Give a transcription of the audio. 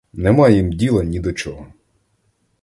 Нема їм діла ні до чого.